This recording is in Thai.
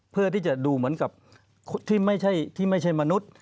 เพื่อที่จะดูเหมือนกับที่ไม่ใช่มนุษย์